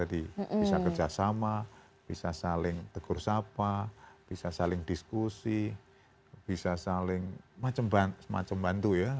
bisa kerjasama bisa saling tegur sapa bisa saling diskusi bisa saling semacam bantu ya